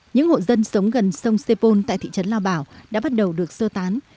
những hộ dân sống gần sông sepol tại thị trấn lao bảo đã bắt đầu được sơ tán